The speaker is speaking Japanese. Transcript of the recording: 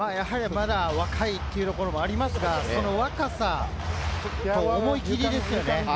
若いということもありますが、若さと思い切りですよね。